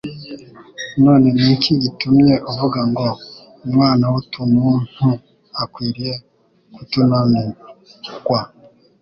none ni iki gitumye uvuga ngo: Umwana w'tununtu akwiriye ktunanikwa?